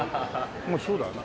まあそうだよな。